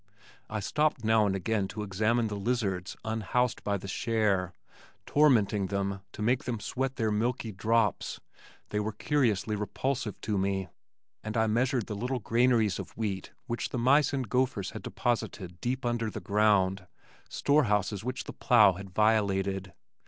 I stopped now and again to examine the lizards unhoused by the share, tormenting them to make them sweat their milky drops (they were curiously repulsive to me), and I measured the little granaries of wheat which the mice and gophers had deposited deep under the ground, storehouses which the plow had violated.